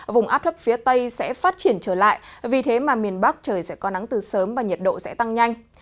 vùng áp thấp phía tây sẽ phát triển trở lại vì thế mà miền bắc trời sẽ có nắng từ sớm và nhiệt độ sẽ tăng nhanh